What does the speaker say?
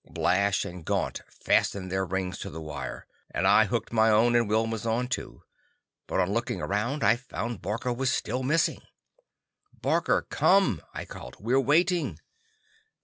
Blash and Gaunt fastened their rings to the wire, and I hooked my own and Wilma's on, too. But on looking around, I found Barker was still missing. "Barker, come!" I called. "We're waiting."